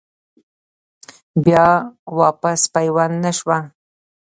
بيا واپس پيوند نۀ شوه ۔